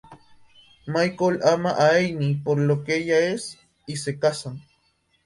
Michael ama a Anne por lo que ella es, y se casan.